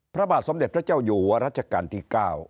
พระบาทสมเด็จพระเจ้าอยู่หัวรัชกาลที่๙